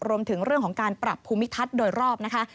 รวมถึงเรื่องของการปรับภูมิทัศน์โดยรอบนะคะ